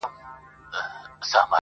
امیر نه سوای اورېدلای تش عرضونه-